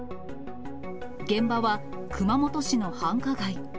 現場は熊本市の繁華街。